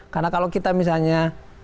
karena kalau kita misalnya